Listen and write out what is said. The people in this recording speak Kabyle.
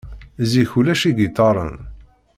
Zik ulac igiṭaren.